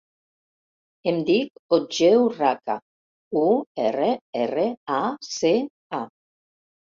Em dic Otger Urraca: u, erra, erra, a, ce, a.